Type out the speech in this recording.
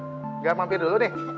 jangan mampir dulu deh